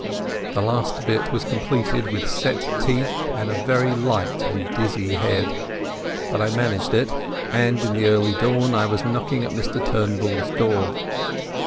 The last bit was completed with set teeth and a very light and dizzy head. But I managed it, and in the early dawn I was knocking at Mr Turnbull's door.